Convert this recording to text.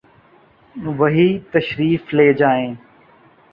وہی تشریف لے جائیں۔